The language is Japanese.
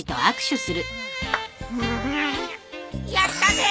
やったぜ！